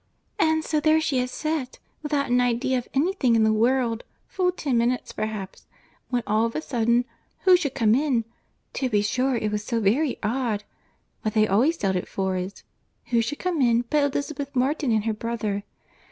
—"And so, there she had set, without an idea of any thing in the world, full ten minutes, perhaps—when, all of a sudden, who should come in—to be sure it was so very odd!—but they always dealt at Ford's—who should come in, but Elizabeth Martin and her brother!